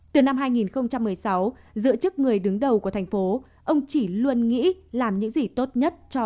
từ năm hai nghìn một mươi sáu dựa chức người đứng đầu của thành phố ông chỉ luôn nghĩ làm những gì tốt nhất cho